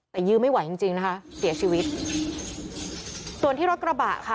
แต่ยื้อไม่ไหวจริงจริงนะคะเสียชีวิตส่วนที่รถกระบะค่ะ